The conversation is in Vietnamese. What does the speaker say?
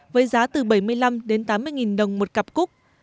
với giá từ bảy mươi năm đến tám mươi đồng một cặp cúc